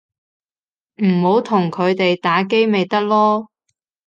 唔好同佢哋打機咪得囉